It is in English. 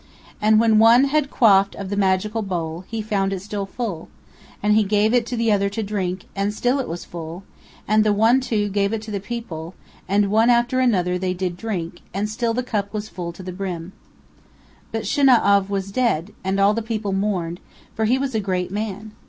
And when one had quaffed of the magical bowl, he found it still full; and he gave it to the other to drink, and still it was full; and the One Two gave it to the people, and one after another did they all drink, and still the cup was full to the brim. But Shinau'av was dead, and all the people mourned, for he was a great man.